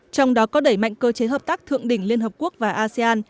trong đó có đẩy mạnh cơ chế hợp tác thượng đỉnh liên hợp quốc và asean